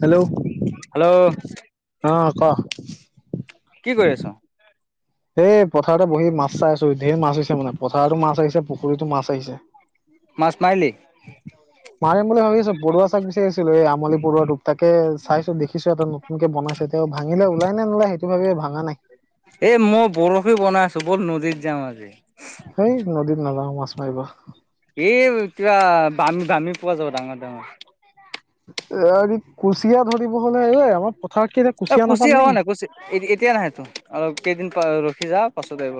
Hello hello অ ক কি কৰি আছ? এই পথাৰতে বহি মাছ চাই আছো, ধেই মাছ হৈছে মানে পথাৰটো মাছ আহিছে, পুখোৰীতো মাছ আহিছে। [inaudible] মাছ মাৰিলি? মাৰিম বুলি ভাবি আছো পৰুৱা চাক বিচাৰি আছিলো এই আমলি পৰুৱা টোপ। তাকে চাইছো দেখিছো এটা নতুনকে বনাইছে, তেওঁ ভাঙিলে ওলাই নে নোলাই সেইটো ভাবিয়ে ভাঙা নাই। এ মই বৰশী বনাই আছো বল নদীত যাম আজি। সেই নদীত নাযাওঁ মাছ মাৰিবা। এই কিবা বামী বামী পোৱা যাব ডাঙৰ ডাঙৰ। এৰি কুচিয়া ধৰিব হ'লে, এই আমাৰ পথাৰত কি এতিয়া কুচিয়া নাপাম নেকি? এ এতিয়া নাহেতো অলপ কেইদিন পা ৰখি যা পাছত আহিব।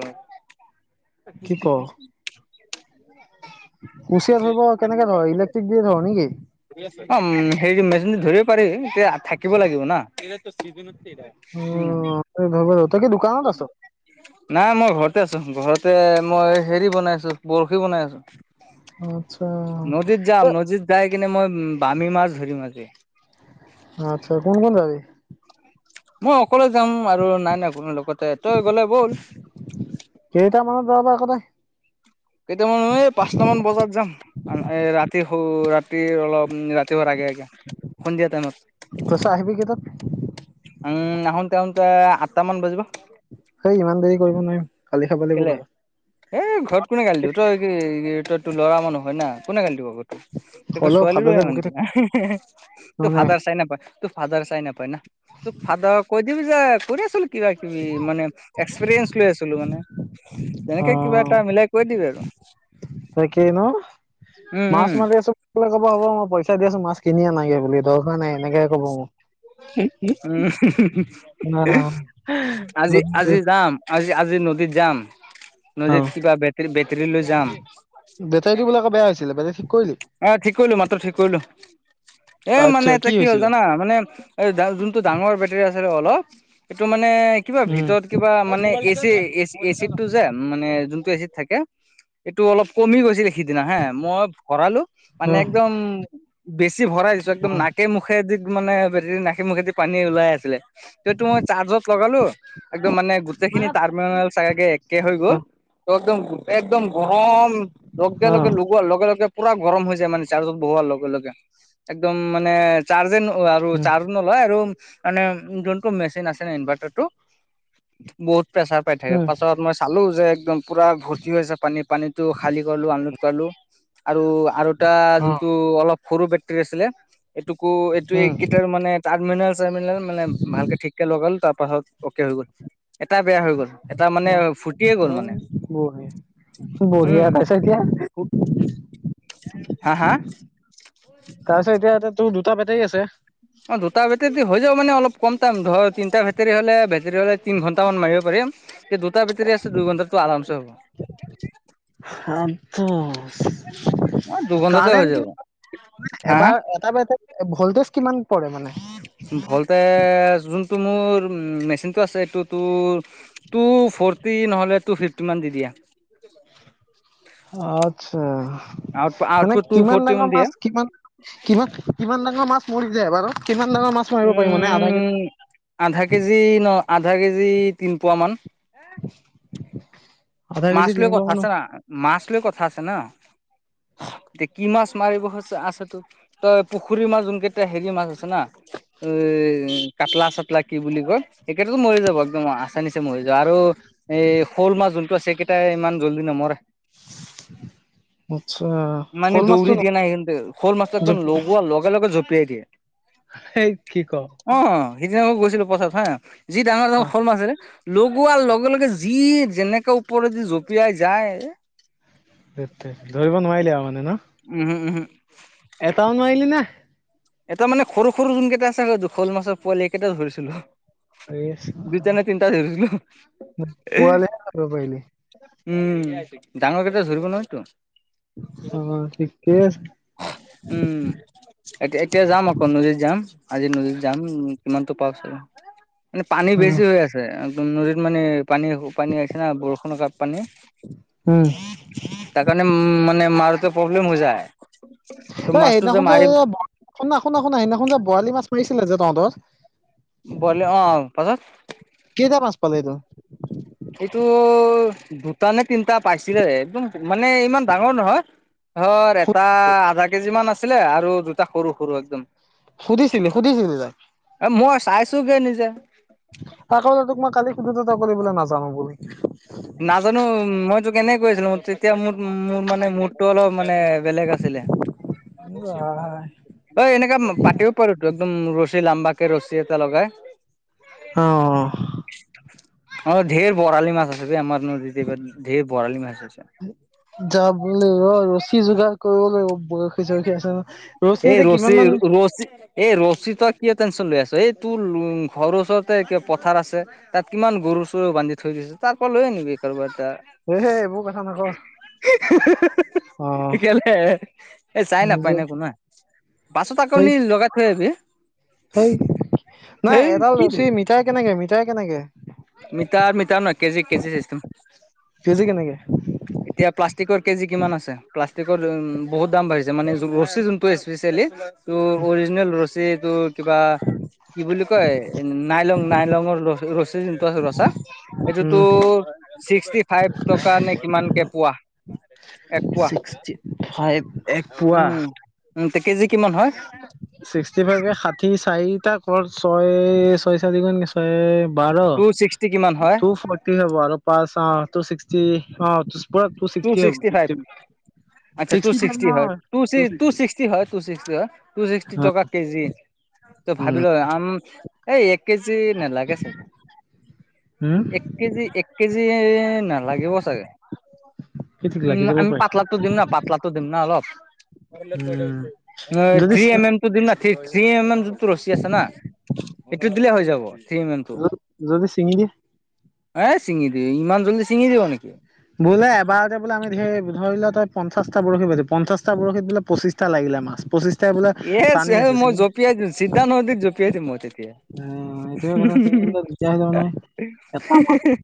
কি ক [unintelligible] কুচিয়া ধৰিব কেনেকে ধৰ ইলেক্ট্ৰিক দিয়ে ধৰ নেকি? অ হেৰি মেচিনটো ধৰিব পাৰি তেতিয়া থাকিব লাগিব না উম অ তই কি দোকানত আছ? নাই মই ঘৰতে আছো ঘৰতে মই হেৰি বনাই আছো বৰশী বনাই আছো। আচ্চা। নদীত যাম নদীত যাই কিনে মই বামী মাছ ধৰিম আজি। আচ্ছা কোন কোন যাবি? মই অকলে যাম আৰু নাই নাই কোনো লগতে তই গ'লে ব'ল। কেইটা মানত যাব বাও আক তই। কেইটামান এই পাঁচটামান বজাত যাম। এ ৰাতি শো ৰাতি অলপ ৰাতি হোৱাৰ আগে আগে সন্ধিয়া টাইমত। কছা আহিবি কেতাত? উম আহোঁতে আহোঁতে আঠটা মান বাজিব। সেই ইমান দেৰি কৰিব নোৱাৰিম গালি খাব লাগিব কেলে ঘৰত। এ ঘৰত কোনে গালি দিব তই কি তই তোৰ ল'ৰা মানুহ হয় না কোনে গালি দিব ঘৰত। তোক হ'লেও ছোৱালী ভাতকে হয় বকি কি থাকিম ন তোৰ মানে ফাদাৰ চাই না ঘত। তোৰ ফাদাৰ চাই নাপাই না তোক ফাদৰক কৈ দিবি যে কৰি আছিলো, কিবা কিবি মানে এক্সপিৰিয়েঞ্চ লৈ আছিলোঁ মানে তেনেকে কিবা এটা, মিলাই কৈ দিবি আৰু। তাকেই ন উম মাছ উম মাৰি আছোঁ। বোলে ক'ব হ'ব পইচা দি আছোঁ মাছ কিনি আনাগে বুলি দৰকাৰ নাই এনেকে ক'ব মোক। উম আজি আজি যাম। আজি আজি নদীত যাম অ নদীত কিবা বেটৰী বেটৰী লৈ যাম। বেটেৰীটো বোলে আক বেয়া হৈছিলে। কৰিলি এ ঠিক কৰিলোঁ মাত্ৰ ঠিক কৰিলোঁ এ আচ্ছা মানে এতিয়া কি হ'ল হৈছিলে জানা মানে। এই যোনটো ডাঙৰ বেটেৰী আছে অলপ সেইটো মানে কিবা উম ভিতৰত কিবা, মানে এচি এ এচিড টো যে মানে যোনটো এচিড থাকে। এইটো অলপ কমি গৈছে সেইদিনা হে মই ভৰালোঁ। মানে উম একদম বেছি ভৰাই দিছো একদম উম নাক, মুখে মুখেদি মানে বে নাকে মুখেদি পানী ওলাই আছিলে। সেইটো মই চাৰ্জত লগালোঁ একদম মানে গো যেইখিনি টাৰ্মিনেল চাগে একে হৈ অ গ'ল ত একদম একদম গৰম, লগে অ লগে লগোৱা লগে লগে পুৰা, গৰম হৈ যায় মানে চাৰ্জত বহোৱাৰ লগে লগে একদম মানে চাৰ্জে ন আৰু উম চাৰ্জ। নলয় আৰু মানে যোনটো মেচিন আছে ইনভেটাৰ টো বহুত পেচাৰ, পাই থাকে পাছত মই, চালোঁ যে একদম পুৰা ভৰ্তি হৈ আছে পানী পানীটো খালী কৰিলোঁ আনলোড কৰিলোঁ আৰু, আৰু এটা যোনটো অলপ সৰু বেটৰী আছিলে এইটোকো এইটো উম এইকেইটাৰ মানে, তাৰমিনেল চাৰমিনেল মানে ভালকে ঠিককে লগালো, তাৰ পাছত অকে হৈ গ'ল এটা বেয়া হৈ গ'ল। এটা মানে ফুটিয়ে গ'ল অ মানে বঢ়িয়া বঢ়িয়া উম তাপাছত এতিয়া, [unintelligible] হা হা। তাৰপিছত এতিয়া এ তোৰ দুটা বেটাৰী আছে। অ দুটা বেটেৰী দি হৈ যাওঁ মানে অলপ কম টাইম ধৰ তিনিটা বেটৰী হ'লে বেটেৰী হ'লে, তিন ঘন্টা মান মাৰিব পাৰিম যে দুটা বেটেৰি আছে দুই ঘণ্টাত টো আৰাম চে হ'ব। আ অ দুঘন্টাতে হৈ কাৰণে, যাব হা হা এবাৰ এটা বেটেৰীত ভলটেজ কিমান পৰে মানে? ভলতেজ যোনটো মোৰ মেচিনটো আছে এইটো তোৰ। তু ফৰটি নহ'লে তু ফিফটি মান দি দিয়া আত্ছা আউট মানে আউটপুট টু কিমান ফৰ্টি মান ডাঙৰ দিয়ে মাছ কিমান কিমান কিমান ডাঙৰ মাছ মৰি যায় বাৰু কিমান ডাঙৰ মাছ মাৰিব পাৰিম মানে আধা কেজি উম আধা কেজি ন আধা কেজি তিনিপুৱামান [unintelligible] মাছ লৈ তিনিশ কথা মানৰ আছে না মাছ লৈ কথা আছে না। এতিয়া কি মাছ মাৰিব হৈছে আছে তো তই পুখুৰী মাছ যোনকেইটা হেৰি মাছ আছে না এই কাটলা চাটলা কি বুলি কয় সেইকেইতাতো মৰি যাব একদম আচা নিচে মৰি যাব, আৰু এই শ'ল মাছ যোনটো আছে, কেইটাই ইমান জল্দি নমৰে। [inaudible] আচ্ছা, মানে শ'ল মাছটো দৌৰি ন দিয়া নাই সেইতে, শ'ল মাছটো একদম লগোৱা লগে লগে জপিয়াই দিয়ে। হেই কি ক' অ সিদিনা মই গৈছিলো পথাৰত হা, যি ডাঙৰ ডাঙৰ আহ শ'ল মাছ আছে লগোৱাৰ লগে-লগে যি যেনেকৈ ওপৰেদি জঁপিয়াই যায়। তেত্তে ধৰিব নোৱাৰিলে আৰু মানে ন, উমহু, উমহু, এটাও নোৱাৰিলি নে? এটা মানে সৰু-সৰু যোন কেইটা আছে, শ'ল মাছৰ পোৱালি এই কেইটাও ধৰিছিলো। দুটা নে তিনিটা ধছিলো। পোৱালিহে ধৰিব পাৰিলি উম' ডাঙৰকেইটা ধৰিব নৱাৰিটো। অ ঠিকেই আছে উম' এতিয়া এতিয়া যাম আকৌ নদীত যাম আজি নদীত যাম কিমানটো পাও চাও। মানে পানী অ বেছি হৈ আছে একদম নদীত মানে পানী পানী আহছে না বৰষুণৰ কা পানী, উম তাৰ কাৰণে উম মানে মাৰাটো প্ৰব্লেম হৈ যায়। অ তোৰ মাছটো যে সেইদিনাখন মাৰি, শুনা, শুনা, শুনা সিদিনাখন যে বৰালি মাছ মাৰিছিলে যে তহঁত, বৰালি অ পাছত- কেইটা মাছ পালে ত, এইটো দুটা নে তিনটা পাইছিলে, একদম মানে ইমান ডাঙৰ নহয়। ধৰ এটা আধা কেজি মান আছিলে আৰু দুটা সৰু সৰু একদম। সুধিচিলি সুধিচিলি তই, এ মই চাইছোগে নিজে, আক তোক মই কালি সোধোতে তই কলি বোলে নাজাও বুলি। নাজানো মই তোক এনেই কৈ আছিলো, তেতিয়া মোৰ মোৰ মানে মোডটো অলপ মানে বেলেগ- বেলেগ আছিলে। অ এনেকা পাতিও পাৰোতো একদম ৰছী লাম্বা কে ৰছী এটা লগাই। অ অ ধেৰ বৰালি মাছ আছে বে আমাৰ নদীতে এইবাৰ ধেৰ বৰালি মাছ আছে। যাব লাগিব অ ৰছী যোগাৰ কৰিব লাগিব, বয়- পইচা ৰখি আছে অহ, ৰছী যে কিমান মান- অচি- এই ৰছি তই কিয় টেনচন লৈ আছো, এই তোৰ ঘৰৰ ওচৰতে ক পথাৰ আছে। তাত কিমান গৰু-চৰু বান্ধি থৈ দিছো, তাৰ পৰা লৈ আনিবি কাৰোবাৰ এটা। এ এইবোৰ কথা নক কেলে? এই চাই নাপায় যে ন কোনোই পাছত সেই আকনি লগাই থৈ আহিবি। সেই, নাই ধেই এডাল কি ৰছী ধেই মিটাৰ কেনেকে মিটাৰ কেনেকে মিটাৰ মিটাৰ নহয় কেজি কেজি চিষ্টেম। কেজি কেনেকে এতিয়া প্লাষ্টিকৰ কেজি কিমান আছে? প্লাষ্টিকৰ বহুত দাম বাঢ়িছে মানে ৰছী যোনটো স্পেচিয়েলি ত অৰিজিনেল ৰচী যে এইতো কিবা কি বুলি কয়, নাইলং নাইলঙৰ ৰ ৰচী [unintelligible] এইটোতো উম ছিক্সটি ফাইভ টকা নে কিমানকে পোৱা। এক পোৱা ছিক্সটি ফাইভ এক পুৱা। উম উম তে কেজি কিমান হয়? ছিক্সটি ফাইভে ষাঠি চাৰিটা ক ছয় ছয় চাৰি গুন নে ছয় বাৰ। টু ছিক্সটি কিমান হয় টু ফৰ্টি হ'ব আৰু পাঁচ অ টু ছিক্সটি অ [unintelligible] টু ছিক্সটি ফাইভ আচ্ছা টু ছিক্সটি ফাইভ হয় নহয়। টু [unintelligible] টু ছিক্সটি টকা কেজি। ত উম, ভাবিলো আম, এই এক কেজি নেলাগে চাগে। হম। এক কেজি এক কেজি নালাগিব চাগে। কি ঠিক লাগি উম যাব আমি পাৰে পাতলাটো দিম না পাত পাতলাটো ডিম না অলপ। [unintelligible] উম, যদি চিঙি টো দিম না থ থ্ৰী এম এম যোনতটো ৰচী আছে না সেইটো দিলে হৈ যাব। থ্ৰী এম এম টো। যদি যদি ছিঙি দিয়ে? এ চিঙি দিয়ে, ইমান জল্দি চিঙি দিব নেকি? বোলে এবাৰতে বোলে আমি ধেৰ ধৰি লো তই পঞ্চাশটা বৰশী বাইলি পঞ্চাশটা বৰশী বোলে পঁচিছ তা লাগিল মাছ পচিছ এ চে মই জোপি দি চিধা নদীত জপিয়াই দিম মই তেতিয়া। অ' এইটোৱে কথা চিঙি দিলে দিগদাৰ হৈ যাব নহয় এটা মাছ [unintelligible]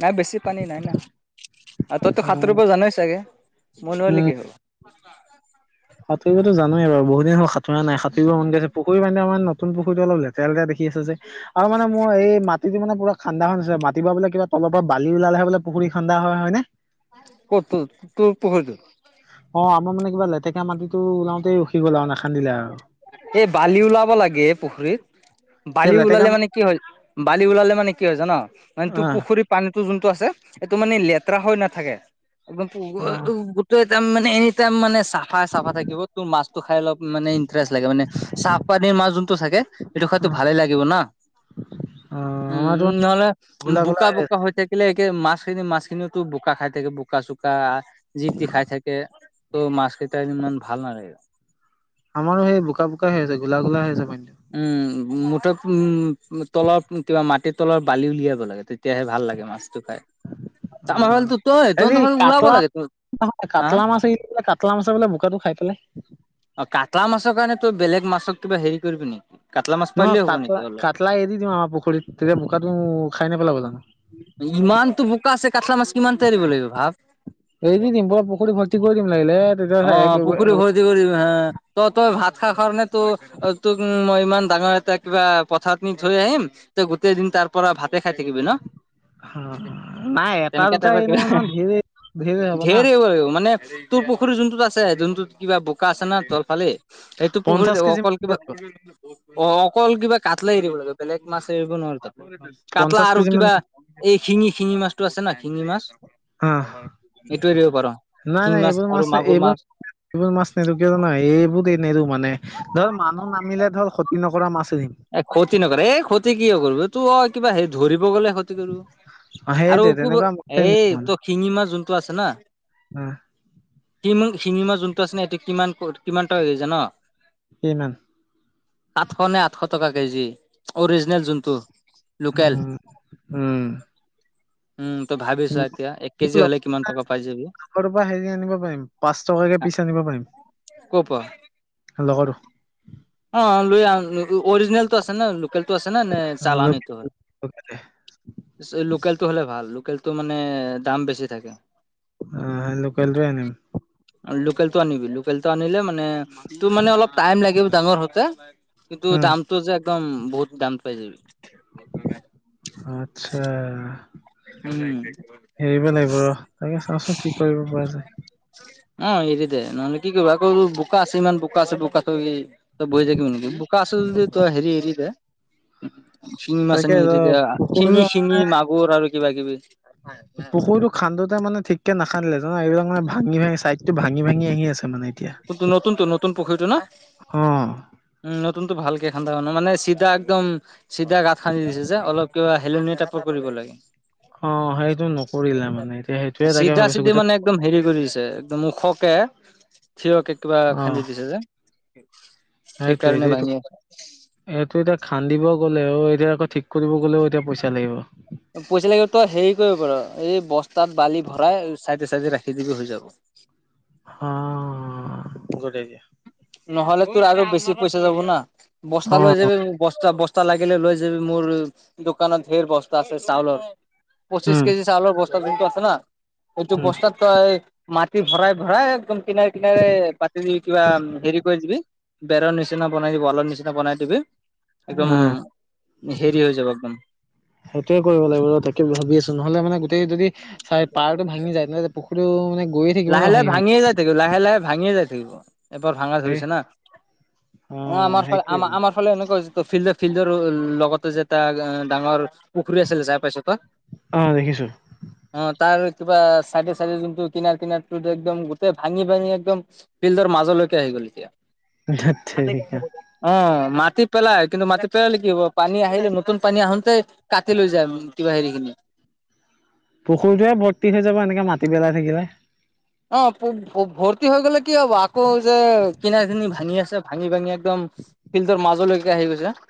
নাই বেছি পানী নাই না। আৰু তইতো উম, সাঁতৰিব জানোৱাই চাগে? মই নোৱাৰিলো কি হ'ল। সতুবটো জানোৱ বাৰু বহু দিন হ'ল সতৰা নাই। সতুৰিব মন গছে পুখুৰীনে মানে আমৰ নতুন পুুখুৰীটো অলপ লেতে তেওঁলকে দেখি আছে যে। আৰু মানে মোৰ এই মাটিটো মানে পুৰা খন্দা নাছিলে। মাটিৰ পৰা বোলে কিবা তলৰ পৰা বালি ওলালে বোলে পুখুৰী খন্দা হয়, হয়নে? [unintelligible] অ আমাৰ মানে কিবা লে আৰু এই বালি ওলাব লাগে পুখুৰীত। কিয় বালি লেতেকা ওলালে মানে কি হয়, বালি ওলালে মানে কি হৈ জানো, মানে অ তোৰ পুখুৰীত পানীটো যোনটো আছে সেইটো মানে লেতেৰা হৈ নাথাকে। একদম অ গোটেই ইটাম মানে ইতাম মানে চাফাই চাফা থাকিব। তোৰ মাছটো খাই অল মানে ইন্টাৰেষ্ট লাগে। মানে চাহ পানীৰ মাছ যোনটো থাকে, সেইটো খাই অ তোৰ ভালে লাগিব ন। অ আমাৰতো উম নহ'লে ঘোলা ঘোলা বোকা-বোকা আছে হৈ থাক কেলে একে মাছখিনি মাছখিনিও তোৰ বোকা খাই থাকে বোকা-চোকা জি তি খাই থাকে। ত' মাছ কেইটা ইমান ভাল নালাগে। আমাৰো সেই বোকা বোকা হৈ আছে, ঘোলা ঘোলা হৈ আছে পানীটো। উম মুঠ উম তলৰ কিবা মাটিৰ তলৰ বালি উলিয়াব লাগে তেতিয়াহে ভাল লাগে মাছ। অ, হেৰি তহঁতৰ ফালে ওলাব কাটলা লাগে তো হা কাটলা মাছ [unintelligible] কাটলা মাছে বোলে বোকাটো খাই পেলাই? অ কাটা মাছৰ কাৰণে তই বেলেগ মাছক কিবা হেৰি কৰিবি নেকি? কাটলা মাছ নহ পাৰিলেই হ'ব নেকি কাটলা অলপ? কাটলা এৰি দিওঁ আৰু পুখুৰীত, তেতিয়া বোকাতো ইমানটো বোকা আছে কাটলা মাছ কিমানতা এৰিব লাগিব ভাব। এৰি দি দিম পুৰা পুখুৰী ভৰ্তি কৰি দিম লাগিলে। তেতিয়া অ, পুখুৰী ভৰ্তি কৰি হ ত তই ভাত খা কাৰণে তো অ, তোক মই ইমান ডাঙৰ এটা কিবা পথাৰ নি থৈ আহিম তই গোটেই দিন তাৰ পৰা ভাতে খাই থাকিবি ন? নাই এটা তেনেকা দুটা টাইপৰ এৰি কিবা, দিম নহয় ধেৰ হ'ব না ধেৰ এৰিব লাগিব মানে তোৰ পুখুৰী যোনটোত আছে যোনটোত কিবা বোকা আছে না তলফালে সেইটো পুখুৰীত পঞ্চাশ কেজি মান অকল কিবা, লাগিব, অ অকল কিবা কাটলাই এৰিব লাগে। বেলেগ মাছ এৰিব নোৱাৰো তাত, কাতলা পঞ্চাশ আৰু কেজি মান কিবা এই শিঙি শিঙি মাছটো আছে না শিঙি মাছ। হা এইটো এৰিব পাৰ, নাই ছিঙি নাই এইবোৰ মাছ আৰু মাগুৰ এইবোৰ মাছ এইবোৰ মাছ নেৰু কিয় জান, এইবোৰ নেৰু মানে। ধৰ মানুহ নামিলে ধৰ ক্ষতি নকৰা মাছ এৰিম। এ ক্ষতি নকৰে এই ক্ষতি কিয় কৰিব এইতো অ, কিবা হেৰি ধৰিব গ'লে ক্ষতি অ সেইটোৱে আৰু ক তেনেকুৱা মাছে এই তোৰ শিঙি মাছ যোনটো আছে না আহ। শিম শিঙিমাছ যোনটো আছে না ইটো কিমান ক কিমান টকা হৈ আছে জান? কিমান? সাতশ নে আঠশ টকা কেজি, অৰিজিনেল যোনটো। লোকেল। উম উম [unintelligible] উম তই ভাবি চা এতিয়া এক কেজি হলে কিমান টকা পাই যাবি। [unintelligible] সেনেকুৱা পাৰিম পাঁচ টকাকে পিছ আনিব পাৰিম। কৰপৰা? লগৰটোৰ অ লৈ অ-অ-অৰিজিনেলটো আছে নে লোকেলটো আছে নে নে লগৰটো চালানীটো? লোকেলে লোকেলটো হ'লে ভাল লোকেলটো মানে দাম বেছি থাকে। অ সেই লোকেলটোৱে আনিম। অ লোকেলটো আনিবি লোকেলটো অনিলে মানে, তোৰ মানে অলপ টাইম লাগে ডাঙৰ হওঁতে। কিন্তু উম দামটো যে একদম বহুত দাম পাই যাবি। আত্ছা। উম এৰিব লাগিব ৰ, তাকে চাওচোন কি কৰিব পৰা যায়। অ এৰি দে নহ'লে কি কৰিব আকৌ বোকা আছে ইমান বোকা আছে বোকাটো তই বহি থাকিবি নেকি, বোকা আছে যদি তই হেৰি এৰি দে। শিঙি মাছ তাকে আনি ৰ এৰি দে, আ পুখুৰীটো শিঙি শিঙি মাগুৰ আৰু কিবা কিবি। পুখুৰীতো খান্দোতে মানে ঠিককে নাখান্দীলে, [unintelligible] ভাঙি ভাঙি চাইডটো ভাঙি ভাঙি আহি আছে। মানে এতিয়া কিন্তু নতুনটো নতুন পুখুৰীটো না? অ উম নতুনতো ভালকে খান্দা হোৱা নাই, মানে চিধা একদম চিধা গাঁত খান্দি দিছে যে অলপ কিবা হেলনিয়া টাপৰ কৰিব লাগে। অ', সেইটো নকৰিলে মানে। এতিয়া সেইটোয়ে তাকে চিধা ভাবিছোঁ চিধি গোটেই মানে - একদম হেৰি কৰি দিছে, একদম ওখকে - থিয়কে কিবা অ খান্দি দিছে যে। সেইটোৱে। সেইকাৰণে এতিয়া ভাঙি এইটোক- আছে এইটো এতিয়া খান্দিব গ'লেও, এতিয়া আকৌ ঠিক কৰিব গ'লেও এতিয়া পইচা লাগিব। পইচা লাগিব। তই হেৰি কৰিব পাৰোঁ, এই বস্তাত বালি ভৰাই চাইডে চাইডে ৰাখি দিবি, হৈ যাব। হ', গুড আইডিয়া। নহ'লে তোৰ আৰু বেছি পইচা যাব না। বস্তা অ লৈ যাবি বস্তা, বস- তা লাগিলে লৈ যাবি। মোৰ দোকানত ধেৰ বস্তা আছে চাউলৰ। পঁচিশ উম কেজি চাউলৰ বস- তা যোনটো আছে ন', সেইটো উম বস্তাত - তই মাটি ভৰাই-ভৰাই একদম কিনাৰে কিনাৰে পাতি দি, কিবা ম' - হেৰি কৰি দিবি, বেৰ নিচিনা বনাই দি, ৱালৰ নিচিনা বনাই দিবি। একদম, অ হেৰি হৈ যাব একদম। সেইটোৱে কৰিব লাগিব ৰ', তাকে ভাবি আছোঁ। নহ'লে মানে গোটেই যদি চাই পাৰটো ভাঙি যায়, নহয় যে- পুখুৰীও মানে - লাহে লাহে ভাঙিয়ে যাই থাকিব। লাহে লাহে ভাঙিয়ে যাই থাকিব। এবাৰ ভাঙা এ ধৰিছে না। অ' আমাৰ ফা, আমা-আমাৰ - ফালে এনেকুৱা হৈছে ত'। ফিল্ডে, ফিল্ডৰ লগতে যে এটা এ', ডাঙৰ - পুখুৰী আছিলে, যায় পাইছোঁ ত'? অ', দেখিছোঁ। অ', তাৰ কিবা চাইডে চাইডে জোনটো - কিনাৰ কিনাৰটোত একদম গোটেই ভাঙি ভাঙি একদম ফিল্ডৰ মাজলৈকে আহি গ'ল এতিয়া। ধেৎ তেৰিকা [unintelligible] অ', মাটি পেলায়। কিন্তু মাটিত পেলালে কি হ'ব? পানী আহিলে নতুন পানী আহঁতে - কাটি লৈ যায়, ম' কিবা হেৰিখিনি। পুখুৰটোহে ভৰ্তি হৈ যাব এনেকে মাটি পেলাই থাকিলে। অ', প'-ভ-ভৰ্তি হৈ গ'লে কি হ'ব? আকৌ যে কিনাখিনি - ভাঙি আছে। ভাঙি-ভাঙি একদম ফিল্ডৰ মাজলৈকে আহি গৈছে।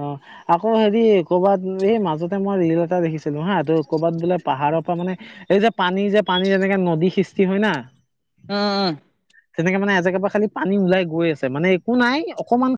উম। আকৌ হেৰি, ক'বাত এই মাজতে মই ৰিল এটা দেখিছিলোঁ হা, ত' ক'বাত বোলে পাহাৰৰ পৰা মানে - এই যে পানী যে, পানী এনেকে নদী সৃষ্টি হয় না। উম উম। তেনেকে মানে এজেগা পৰা খালি পানী ওলাই গৈ আছে, মানে একো নাই অকণমান -